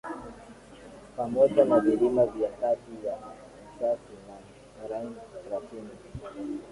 Pamoja na vilima vya kati ya Alsasi na Rhine Platino